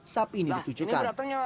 sapi ini ditujukan